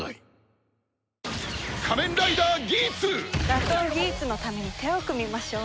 打倒ギーツのために手を組みましょう。